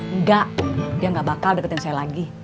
enggak dia gak bakal deketin saya lagi